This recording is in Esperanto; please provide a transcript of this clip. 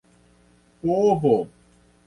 povo